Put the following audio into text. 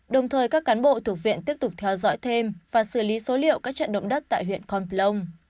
đồng thời các cán bộ thuộc viện tiếp tục theo dõi thêm và xử lý số liệu các trận động đất tại huyện con plong